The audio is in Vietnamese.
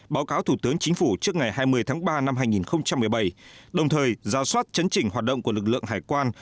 báo cáo thủ tướng chính phủ trước ngày hai mươi ba hai nghìn một mươi bảy đồng thời giả soát chấn chỉnh hoạt động của lực lượng hải quan